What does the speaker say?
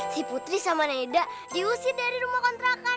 si putri sama naida diusir dari rumah kontrakan